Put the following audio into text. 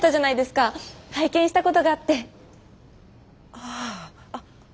あああっ